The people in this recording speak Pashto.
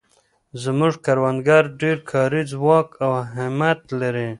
زموږ کروندګر ډېر کاري ځواک او همت لري.